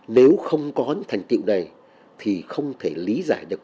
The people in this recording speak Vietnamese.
nếu không có thành tựu này thì không thể lý giải được